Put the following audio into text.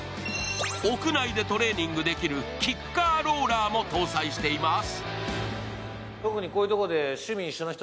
屋内でトレーニングできるキッカーローラーも搭載しています。